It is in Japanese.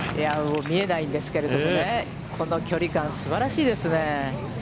見えないんですけれどもね、この距離感、すばらしいですね。